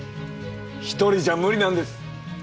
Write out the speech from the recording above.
１人じゃ無理なんです。